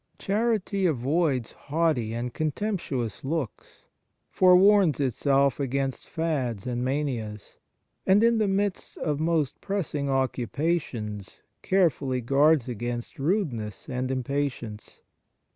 Charity avoids haughty and contemptuous looks, forewarns itself against fads and manias, and in the midst of most pressing occupations carefully guards against rudeness and impatience.